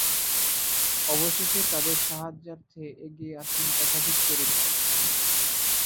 অবশেষে তাদের সাহায্যার্থে এগিয়ে আসেন একাধিক চরিত্র।